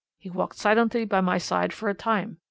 He walked silently by my side for a time.